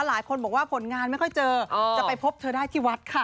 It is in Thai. หลายคนบอกว่าผลงานไม่ค่อยเจอจะไปพบเธอได้ที่วัดค่ะ